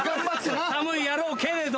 寒いやろうけれど。